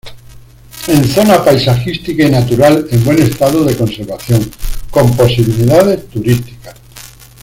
En zona paisajística y natural en buen estado de conservación, con posibilidades turísticas.